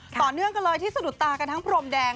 ต่อเนื่องกันเลยที่สะดุดตากันทั้งพรมแดง